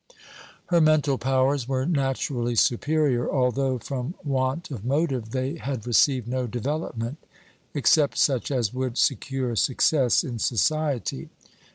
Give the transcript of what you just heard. Her mental powers were naturally superior, although, from want of motive, they had received no development, except such as would secure success in society.